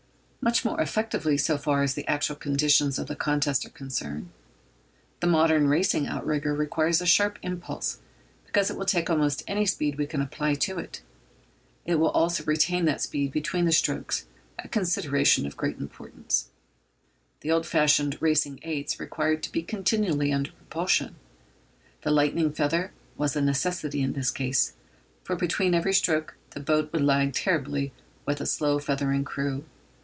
Much more effectively so far as the actual conditions of the contest are concerned. The modern racing outrigger requires a sharp impulse, because it will take almost any speed we can apply to it. It will also retain that speed between the strokes, a consideration of great importance. The old fashioned racing eights required to be continually under propulsion. The lightning feather was a necessity in their case, for between every stroke the boat would lag terribly with a slow feathering crew.